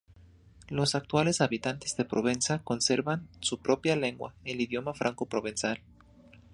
Los actuales habitantes de Provenza conservan su propia lengua, el idioma franco-provenzal.